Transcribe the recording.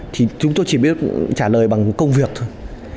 thì chúng tôi chỉ biết trả lời bằng công việc thôi